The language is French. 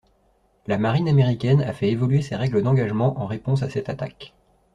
La marine américaine a fait évoluer ses règles d'engagement en réponse à cette attaque.